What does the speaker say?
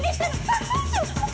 あっどうしよう！